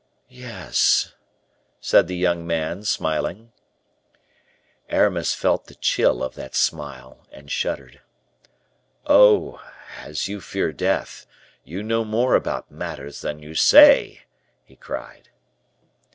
"Yes," said the young man, smiling. Aramis felt the chill of that smile, and shuddered. "Oh, as you fear death, you know more about matters than you say," he cried.